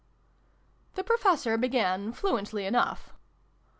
The Professor began fluently enough.